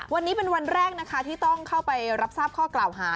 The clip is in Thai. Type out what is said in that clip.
วันนี้เป็นวันแรกนะคะที่ต้องเข้าไปรับทราบข้อกล่าวหา